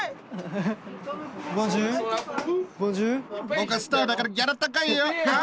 僕はスターだからギャラ高いよ！